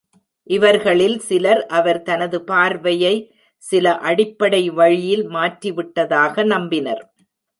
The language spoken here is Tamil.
இவர்களில் சிலர் அவர் தனது பார்வையை சில அடிப்படை வழியில் மாற்றிவிட்டதாக நம்பினர்.